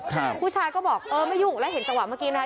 ผู้ชายก็บอกเออไม่ยุ่งแล้วเห็นจังหวะเมื่อกี้ไหม